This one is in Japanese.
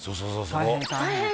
「大変大変」